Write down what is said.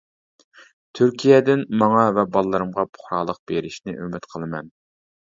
تۈركىيەدىن ماڭا ۋە بالىلىرىمغا پۇقرالىق بېرىشىنى ئۈمىد قىلىمەن.